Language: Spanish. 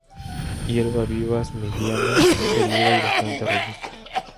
Hierba vivaz, mediana, peluda y bastante robusta.